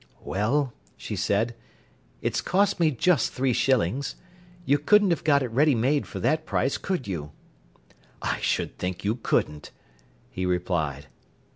"Well," she said, "it's cost me just three shillings. You couldn't have got it ready made for that price, could you?" "I should think you couldn't," he replied.